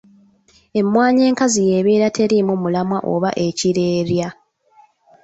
Emmwanyi enkazi y'ebeera teriimu mulamwa oba ekirerya.